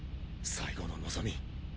最後の望み。